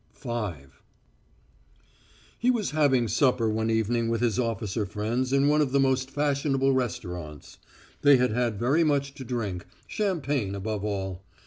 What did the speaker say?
V He was having supper one evening with his officer friends in one of the most fashionable restaurants. They had had very much to drink, champagne above all.